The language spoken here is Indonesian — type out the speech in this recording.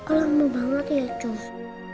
alamu banget ya cus